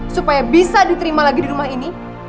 supaya bisa diterima lagi di rumah ini